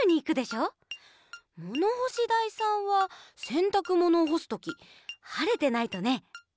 ものほしだいさんはせんたくものをほすときはれてないとね。